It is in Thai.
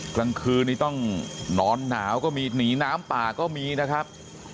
กลางคืนนี้ต้องนอนหนาวก็มีหนีน้ำป่าก็มีนะครับ